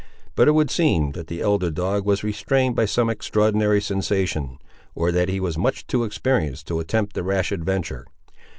But, it would seem, that the elder dog was restrained by some extraordinary sensation, or that he was much too experienced to attempt the rash adventure.